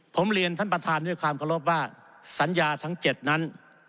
ผมเรียนท่านประธานด้วยความเคารพว่าสัญญาทั้ง๗นั้น